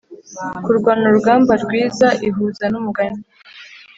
kurwana urugamba rwiza ihuza numugani